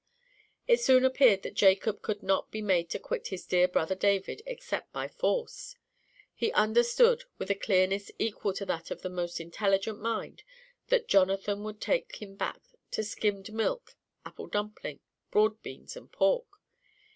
It soon appeared that Jacob could not be made to quit his dear brother David except by force. He understood, with a clearness equal to that of the most intelligent mind, that Jonathan would take him back to skimmed milk, apple dumpling, broad beans, and pork.